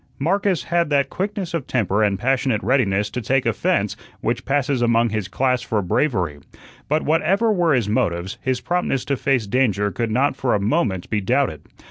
Marcus had that quickness of temper and passionate readiness to take offence which passes among his class for bravery. But whatever were his motives, his promptness to face danger could not for a moment be doubted.